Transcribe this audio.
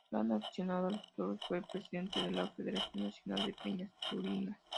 Gran aficionado a los toros, fue presidente de la Federación Nacional de Peñas Taurinas.